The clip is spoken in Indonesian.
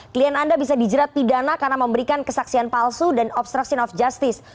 klien anda bisa dijerat pidana karena memberikan kesaksian palsu dan obstruction of justice